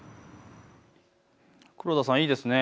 黒田さん、いいですね。